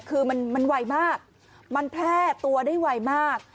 คือมันไวมากมันแพร่ตัวได้ไวมาก